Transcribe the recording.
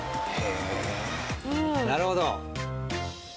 なるほど。